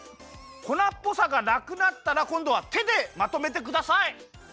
粉っぽさがなくなったらこんどはてでまとめてください！